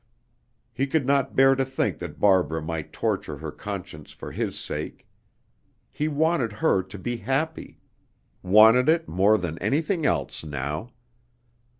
He could not bear to think that Barbara might torture her conscience for his sake. He wanted her to be happy, wanted it more than anything else now.